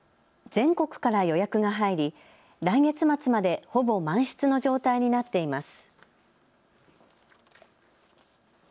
全国から予約が入り、来月末までほぼ満室の状態になっています。